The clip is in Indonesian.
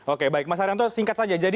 oke baik mas haryanto singkat saja